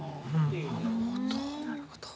なるほど。